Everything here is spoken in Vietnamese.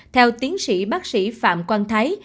theo tiến sĩ bác sĩ phạm quang thái